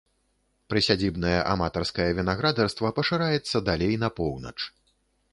Прысядзібнае аматарскае вінаградарства пашыраецца далей на поўнач.